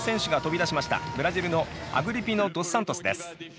ブラジルのアグリピノドスサントスです。